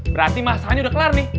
berarti masanya udah kelar nih